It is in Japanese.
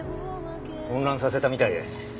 混乱させたみたいで。